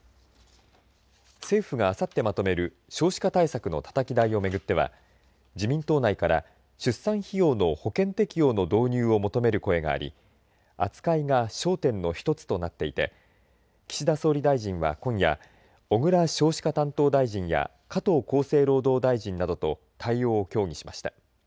政府があさってまとめる少子化対策のたたき台を巡っては自民党内から出産費用の保険適用の導入を求める声があり扱いが焦点の１つとなっていて岸田総理大臣は今夜小倉少子化担当大臣や加藤厚生労働大臣などと対応を協議しました。